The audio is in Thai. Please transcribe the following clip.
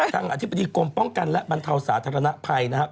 อธิบดีกรมป้องกันและบรรเทาสาธารณภัยนะครับ